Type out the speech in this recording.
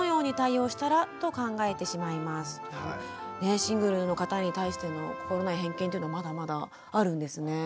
シングルの方に対しての心ない偏見というのまだまだあるんですね。